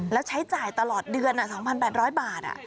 แล้วใช้จ่ายตลอดเดือน๒๘๐๐บาท